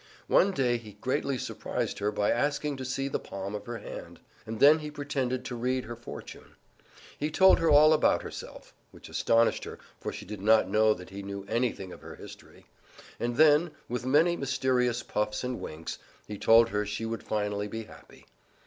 One day he greatly surprised her by asking to see the palm of her hand, and then he pretended to read her fortune. He told her all about herself (which astonished her, for she did not know that he knew anything of her history), and then, with many mysterious puffs and winks, he told her she would finally be happy.